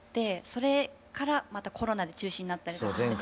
それからまたコロナで中止になったりとかして。